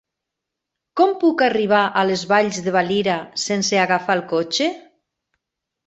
Com puc arribar a les Valls de Valira sense agafar el cotxe?